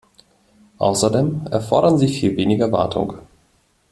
Außerdem erfordern sie viel weniger Wartung.